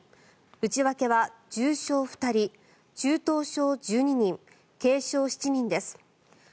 内訳は重症２人、中等症１２人軽症７人です。